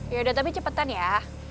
ya udah tapi cepetan ya